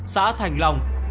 xã thành long